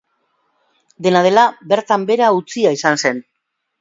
Dena dela bertan behera utzia izan zen.